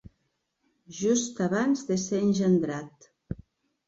Just abans de ser engendrat.